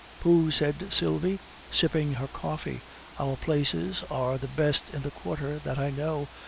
"Pooh!" said Sylvie, sipping her coffee, "our places are the best in the Quarter, that I know.